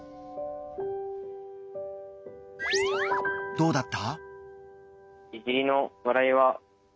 どうだった？